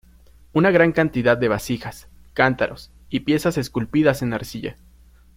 Una gran cantidad de vasijas, cántaros y piezas esculpidas en arcilla.